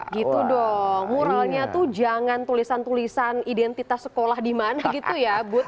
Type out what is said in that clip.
gitu dong muralnya tuh jangan tulisan tulisan identitas sekolah di mana gitu ya bud